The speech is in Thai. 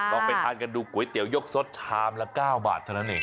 ไปทานกันดูก๋วยเตี๋ยกสดชามละ๙บาทเท่านั้นเอง